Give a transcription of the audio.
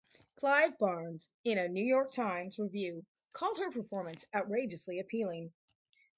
Clive Barnes in a "New York Times" review called her performance "outrageously appealing.